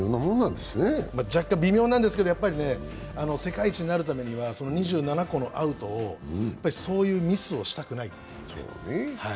若干微妙なんですけど世界一になるためにはその２７個のアウトを、そういうミスをしたくないっていう。